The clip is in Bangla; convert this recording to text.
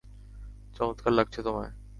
চমৎকার লাগছে তোমায়!